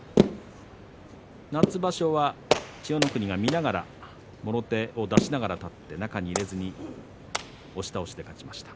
夏場所は千代の国が見ながらもろ手を出しながら中に入れずに押し倒しで勝ちました。